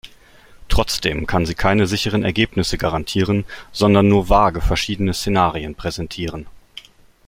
Trotzdem kann sie keine sicheren Ergebnisse garantieren, sondern nur vage verschiedene Szenarien präsentieren.